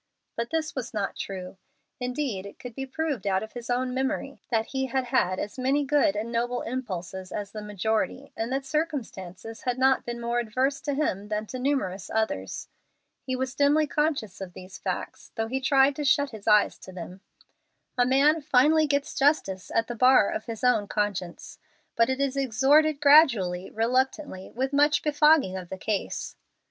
But this was not true. Indeed, it could be proved out of his own memory that he had had as many good and noble impulses as the majority, and that circumstances had not been more adverse to him than to numerous others. He was dimly conscious of these facts, though he tried to shut his eyes to them. A man finally gets justice at the bar of his own conscience, but it is extorted gradually, reluctantly, with much befogging of the case.